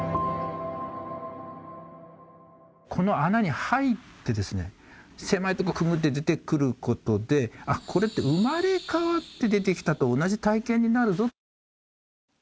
この穴に入ってですね狭いとこくぐって出てくることでこれって生まれ変わって出てきたと同じ体験になるぞ。